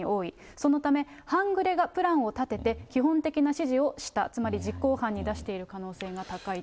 そのため、半グレがプランを立てて、基本的な指示をした、つまり、実行犯に出している可能性が高いと。